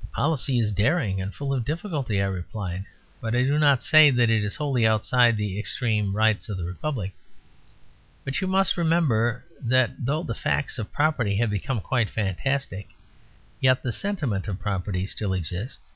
"The policy is daring and full of difficulty," I replied, "but I do not say that it is wholly outside the extreme rights of the republic. But you must remember that though the facts of property have become quite fantastic, yet the sentiment of property still exists.